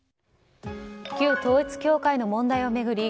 旧統一教会の問題を巡り